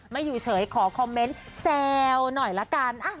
อยู่เฉยขอคอมเมนต์แซวหน่อยละกัน